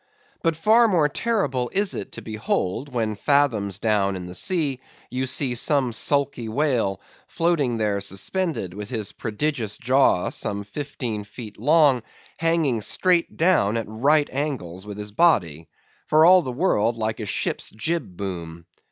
But far more terrible is it to behold, when fathoms down in the sea, you see some sulky whale, floating there suspended, with his prodigious jaw, some fifteen feet long, hanging straight down at right angles with his body, for all the world like a ship's jib boom.